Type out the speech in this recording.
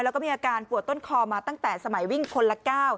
แล้วก็มีอาการปวดต้นคอมาตั้งแต่สมัยวิ่งคนละ๙